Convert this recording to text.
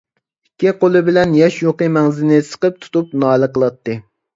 ئىككى قولى بىلەن ياش يۇقى مەڭزىنى سىقىپ تۇتۇپ نالە قىلاتتى.